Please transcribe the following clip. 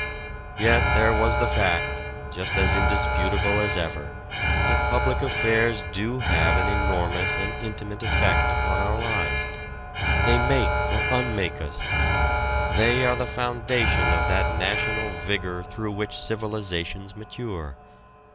Yet there was the fact, just as indisputable as ever, that public affairs do have an enormous and intimate effect upon our lives. They make or unmake us. They are the foundation of that national vigor through which civilizations mature.